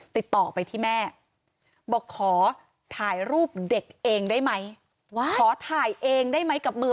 ติดต่อไปที่แม่บอกขอถ่ายรูปเด็กเองได้ไหมว่าขอถ่ายเองได้ไหมกับมือ